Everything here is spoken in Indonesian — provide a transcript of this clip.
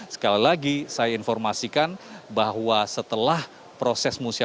sekali lagi saya informasikan bahwa setelah proses musyawarah